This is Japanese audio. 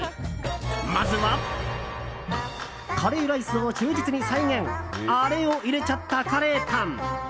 まずはカレーライスを忠実に再現あれを入れちゃったカレーパン。